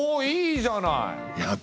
いいじゃない！